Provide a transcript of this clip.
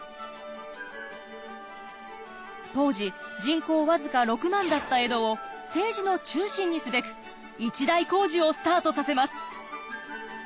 当時人口僅か６万だった江戸を政治の中心にすべく一大工事をスタートさせます。